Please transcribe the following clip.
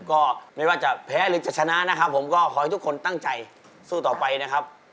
ก็ไม่ว่าจะแพ้หรือจะชนะนะครับผมก็ขอให้ทุกคนตั้งใจสู้ต่อไปนะครับ